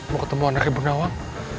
mau ketemu anaknya munawang